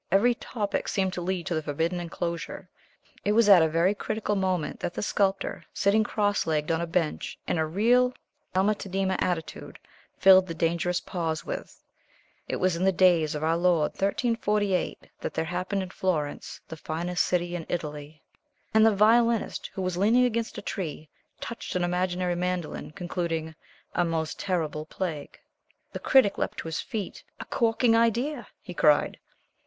Every topic seemed to lead to the forbidden enclosure. It was at a very critical moment that the Sculptor, sitting cross legged on a bench, in a real Alma Tadema attitude, filled the dangerous pause with: "It was in the days of our Lord 1348 that there happened in Florence, the finest city in Italy " And the Violinist, who was leaning against a tree, touched an imaginary mandolin, concluding: "A most terrible plague." The Critic leaped to his feet. "A corking idea," he cried.